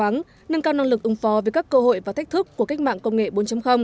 năng lực ứng phó về các cơ hội và thách thức của cách mạng công nghệ bốn